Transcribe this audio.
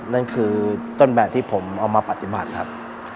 นั่นคือต้นแบบที่ผมเอามาปฏิบัติครับ